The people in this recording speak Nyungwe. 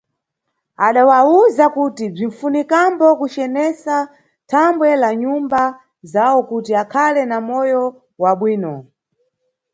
Adawawuza kuti bzinʼfunikambo kucenesa thambwe la nyumba zawo kuti akhale na moyo wabwino.